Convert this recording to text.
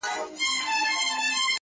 دا د قامونو د خپلویو وطن-